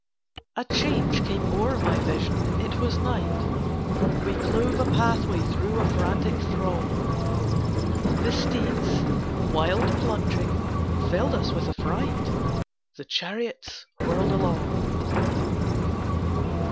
A change came o'er my Vision—it was night: We clove a pathway through a frantic throng: The steeds, wild plunging, filled us with affright: The chariots whirled along.